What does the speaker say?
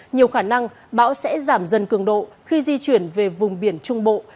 nhiều khả năng bão sẽ giảm dần cường độ khi di chuyển về vùng biển trung bộ